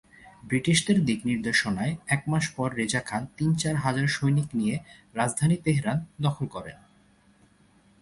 ব্রিটিশদের দিক-নির্দেশনায় একমাস পর রেজা খানা তিন-চার হাজার সৈনিক নিয়ে রাজধানী তেহরান দখল করেন।